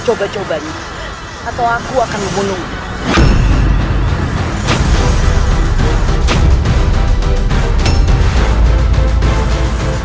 jangan coba cobanya atau aku akan membunuhmu